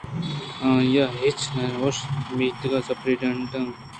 آئیءَ ہچ نہ اِشت میتگءِ سپرنٹنڈنٹ